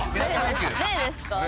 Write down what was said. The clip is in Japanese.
例ですか？